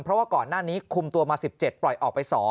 เพราะว่าก่อนหน้านี้คุมตัวมา๑๗ปล่อยออกไป๒